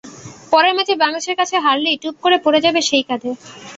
পরের ম্যাচে বাংলাদেশের কাছে হারলেই টুপ করে পড়ে যাবে সেই খাদে।